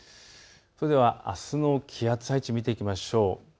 あすの気圧配置を見ていきましょう。